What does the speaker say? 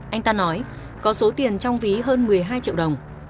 anh ta nói có số tiền trong ví hơn một mươi hai triệu đồng